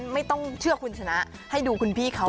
ไม่ต้องเชื่อคุณชนะให้ดูคุณพี่เขา